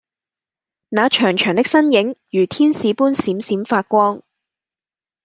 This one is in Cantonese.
那長長的身影如天使般閃閃發光